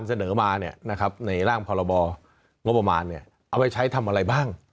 เอาไว้ใช้ทำอะไรบ้าง